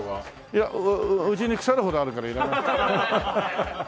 いやうちに腐るほどあるからいらない。